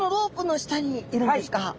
はい。